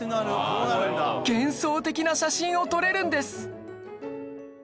幻想的な写真を撮れるんです